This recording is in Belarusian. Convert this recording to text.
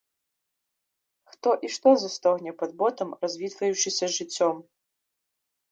Хто і што застогне пад ботам, развітваючыся з жыццём?